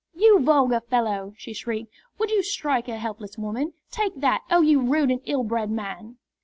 "You vulgar fellow!" she shrieked. "Would you strike a helpless woman! Take that! Oh, you rude and ill bred man!"